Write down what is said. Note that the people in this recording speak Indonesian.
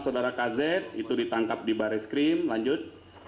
saudara kz itu ditangkap di baris krim lanjut